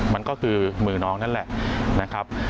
มันก็คือมือน้องนั่นแหละนะครับ